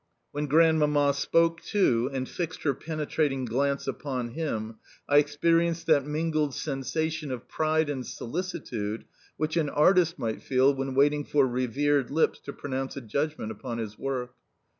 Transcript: When Grandmamma spoke to and fixed her penetrating glance upon him, I experienced that mingled sensation of pride and solicitude which an artist might feel when waiting for revered lips to pronounce a judgment upon his work.